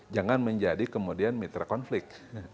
jangan menjadi kemudian mitra konflik